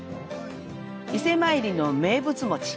伊勢参りの名物餅。